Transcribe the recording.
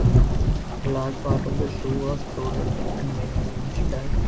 A large part of the zoo was flooded and many animals died.